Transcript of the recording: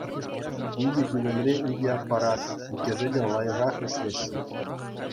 Икӗ пӳлӗмре икӗ аппарат, иккӗшӗ те лайӑхах ӗҫлеҫҫӗ.